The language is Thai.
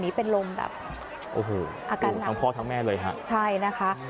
อันนี้เป็นลมอาการหละทั้งพ่อทั้งแม่เลยฮะช่ายนะคะ